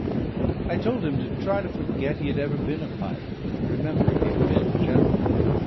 I told him to try to forget he had ever been a pirate, and to remember he had been a gentleman.